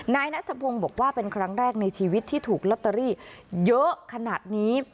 นายนัทพงศ์บอกว่าเป็นครั้งแรกในชีวิตที่ถูกลอตเตอรี่เยอะขนาดนี้